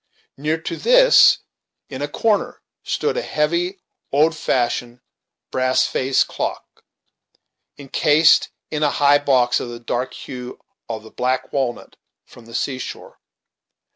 Near to this, in a corner, stood a heavy, old fashioned, brass faced clock, incased in a high box, of the dark hue of the black walnut from the seashore.